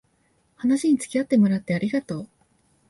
話につきあってもらってありがとう